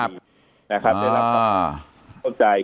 นะครับในหลังจากนี้